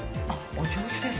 お上手です。